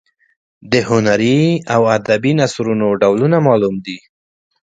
د هنري او ادبي نثرونو ډولونه معلوم دي.